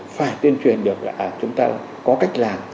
phải tuyên truyền được là chúng ta có cách làm